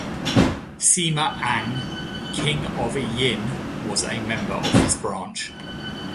Sima Ang, King of Yin, was a member of this branch.